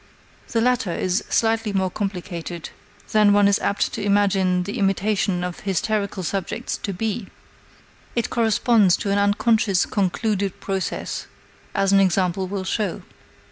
The latter is slightly more complicated than one is apt to imagine the imitation of hysterical subjects to be: it corresponds to an unconscious concluded process, as an example will show.